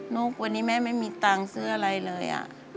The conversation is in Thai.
วันนี้แม่ไม่มีตังค์ซื้ออะไรเลย